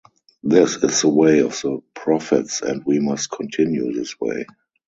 This is the way of the prophets and we must continue this way.